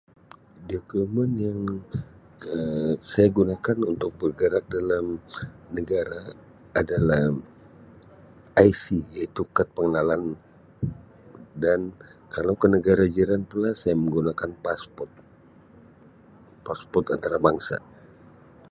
Dokumen yang Um saya gunakan untuk bergerak dalam negara adalah IC iaitu kad pengenalan dan kalau ke negara jiran pula saya menggunakan pasport, pasport antarabangsa.